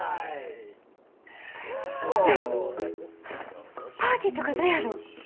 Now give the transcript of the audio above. なあパーティーとかどやろ？